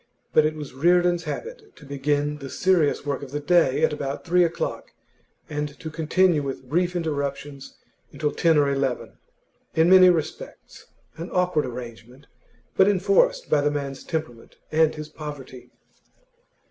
But it was Reardon's habit to begin the serious work of the day at about three o'clock, and to continue with brief interruptions until ten or eleven; in many respects an awkward arrangement, but enforced by the man's temperament and his poverty.